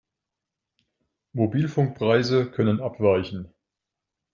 Mobilfunkpreise können abweichen.